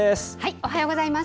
おはようございます。